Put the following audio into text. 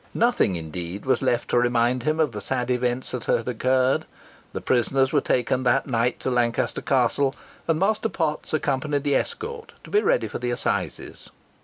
Nothing, indeed, was left to remind him of the sad events that had occurred. The prisoners were taken that night to Lancaster Castle, and Master Potts accompanied the escort, to be ready for the assizes.